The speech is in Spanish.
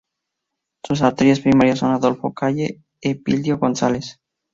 Sus arterias primarias son: Adolfo Calle, Elpidio González.